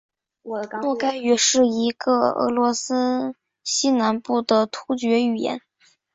诺盖语是一个俄罗斯西南部的突厥语言。